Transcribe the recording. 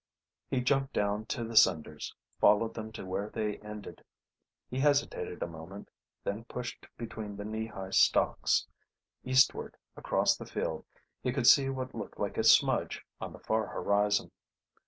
He jumped down to the cinders, followed them to where they ended. He hesitated a moment, then pushed between the knee high stalks. Eastward across the field he could see what looked like a smudge on the far horizon.